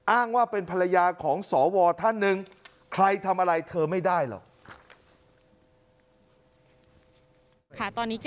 อ้างว่าเป็นภรรยาของสวท่านหนึ่งใครทำอะไรเธอไม่ได้หรอก